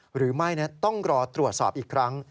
หรือไม่ต้องรอตรวจสอบอีกครั้ง